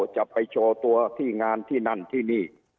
จะไปโชว์ตัวที่งานที่นั่นที่นี่